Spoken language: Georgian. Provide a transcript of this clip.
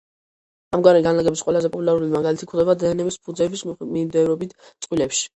ამგვარი განლაგების ყველაზე პოპულარული მაგალითი გვხვდება დნმ-ის ფუძეების მიმდევრობით წყვილებში.